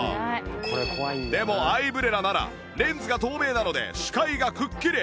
でもアイブレラならレンズが透明なので視界がくっきり